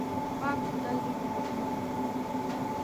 پاک خدای دې جنتونه ورکړي.